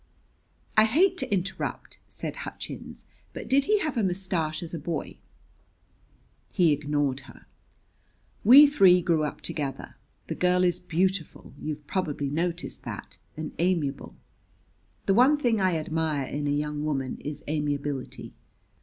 "I hate to interrupt," said Hutchins; "but did he have a mustache as a boy?" He ignored her. "We three grew up together. The girl is beautiful you've probably noticed that and amiable. The one thing I admire in a young woman is amiability.